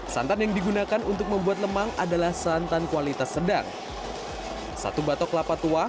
santan yang digunakan untuk membuat lemang adalah santan kualitas sedang satu batok kelapa tua